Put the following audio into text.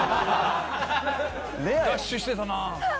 ダッシュしてたな。